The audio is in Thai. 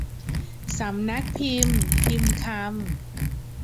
สำนักพิมพ์พิมพ์คำ